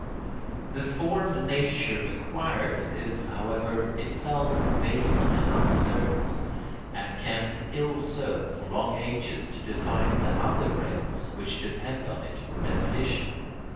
] The form nature acquires is, however, itself vague and uncertain and can ill serve, for long ages, to define the other realms which depend on it for definition.